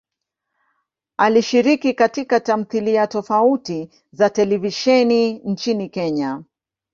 Alishiriki katika tamthilia tofauti za televisheni nchini Kenya.